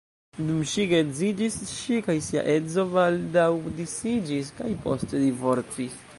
Dum ŝi geedziĝis, ŝi kaj sia edzo baldaŭ disiĝis kaj poste divorcis.